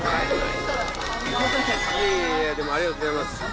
ありがとうございます。